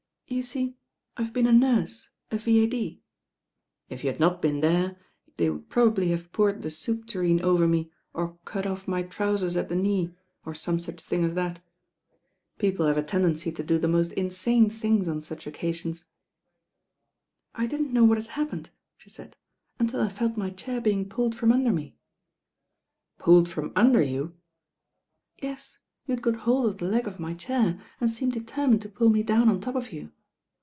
"You see I've been a nurse, a V.A.D." "If you had not been there they would probably have poured the soup tureen over me, or cut off my trousers at the knee, or some such thing as that of ng lat lie le te 1. I' !• I i I THE MEETINO WITH THE RAIN GIRL 161 People have a tendency to do the most insane things on such occationi." "I didn't know what had happened," the said, "until I felt my chair being pulled from under me." "Pulled from under you I" "Yes, you'd got hold of the leg of my chair, and teemed determined to pull me down on top of you."